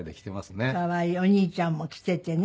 可愛いお兄ちゃんも着ていてね。